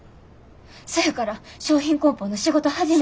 そやから商品こん包の仕事始めて。